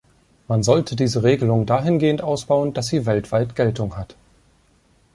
Man sollte diese Regelung dahingehend ausbauen, dass sie weltweit Geltung hat.